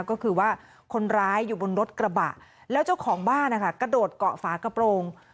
ก็คือว่าคนร้ายอยู่บนรถกระบะแล้วเจ้าของบ้านนะคะกระโดดเกาะฝากระโปรง